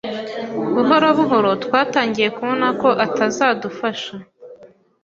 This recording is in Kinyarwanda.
Buhoro buhoro twatangiye kubona ko atazadufasha.